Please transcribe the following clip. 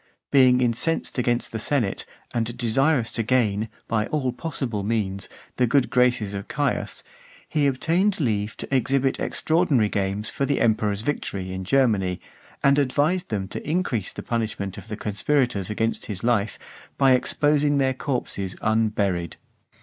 Being incensed against the senate, and desirous to gain, by all possible means, the good graces of Caius , he obtained leave to exhibit extraordinary games for the emperor's victory in Germany, and advised them to increase the punishment of the conspirators against his life, by exposing their corpses unburied.